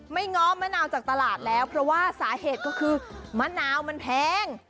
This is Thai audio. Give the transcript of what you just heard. ง้อมะนาวจากตลาดแล้วเพราะว่าสาเหตุก็คือมะนาวมันแพง